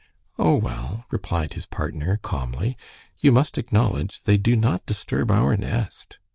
"Oh, well," replied his partner, calmly, "you must acknowledge they do not disturb our nest."